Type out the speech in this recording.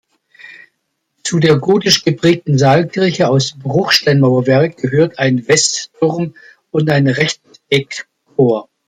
Zu der gotisch geprägten Saalkirche aus Bruchsteinmauerwerk gehört ein Westturm und ein Rechteckchor.